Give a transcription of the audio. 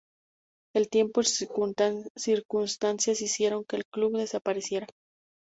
El tiempo y circunstancias hicieron que el club desapareciera.